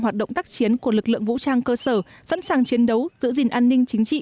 hoạt động tác chiến của lực lượng vũ trang cơ sở sẵn sàng chiến đấu giữ gìn an ninh chính trị